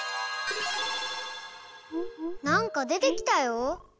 なんかでてきたよ。